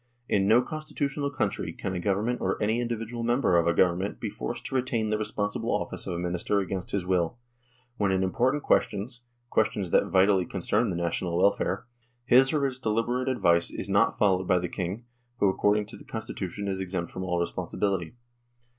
In no constitutional country can a Government or any individual member of a Govern ment be forced to retain the responsible office of a Minister against his will, when in important questions questions that vitally concern the national welfare his or its deliberate advice is not followed by the King, who according to the Constitution is exempt from all responsibility.